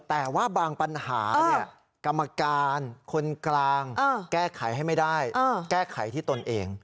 แต่ว่าบางปัญหากรรมการคนกลางแก้ไขให้ไม่ได้แก้ไขที่ตนเอง